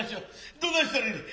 どないしたらええねん。